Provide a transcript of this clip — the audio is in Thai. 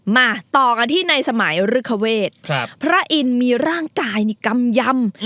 มาต่อกันที่ในสมัยฤคเวทพระอินทร์มีร่างกายในกำยำ